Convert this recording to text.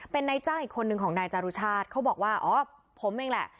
เป็นนายจ้างอีกคนนึงของนายจารุชาติเขาบอกว่าอ๋อผมเองแหละ